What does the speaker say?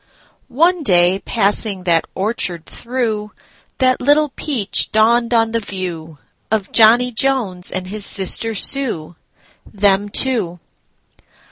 One day, passing that orchard through, That little peach dawned on the viewOf Johnny Jones and his sister Sue—Them two.